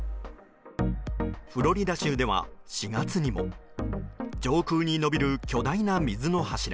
フロリダ州では４月にも上空に伸びる巨大な水の柱。